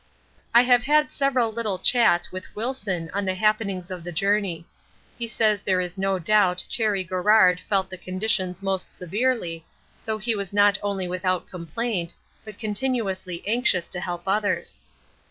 I have had several little chats with Wilson on the happenings of the journey. He says there is no doubt Cherry Garrard felt the conditions most severely, though he was not only without complaint, but continuously anxious to help others.